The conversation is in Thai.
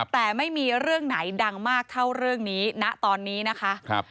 แต่ไม่มีเรื่องไหนดังมากเท่าเรื่องนี้ณตอนนี้นะคะ